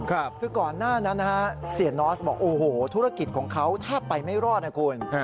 คือก่อนหน้านั้นนะฮะเสียนอสบอกโอ้โหธุรกิจของเขาแทบไปไม่รอดนะคุณ